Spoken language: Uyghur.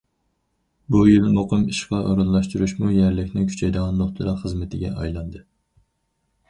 بۇ يىل، مۇقىم ئىشقا ئورۇنلاشتۇرۇشمۇ يەرلىكنىڭ كۈچەيدىغان نۇقتىلىق خىزمىتىگە ئايلاندى.